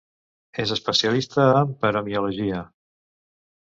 És especialista en paremiologia.